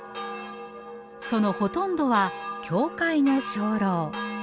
そのほとんどは教会の鐘楼。